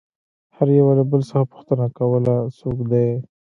هر يوه له بل څخه پوښتنه کوله څوک دى.